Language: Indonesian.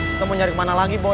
kita mau nyari kemana lagi bahwa